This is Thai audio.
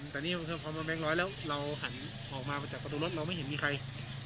แต่นี่พอมาแบงค์ร้อยแล้วเราหันออกมาจากประตูรถเราไม่เห็นมีใคร